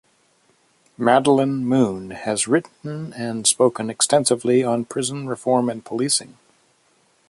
Madeleine Moon has written and spoken extensively on prison reform and policing.